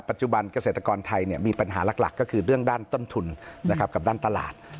ปัจจุบันเกษตรกรไทยมีปัญหาหลักก็คือเรื่องด้านต้นทุนกับด้านตลาด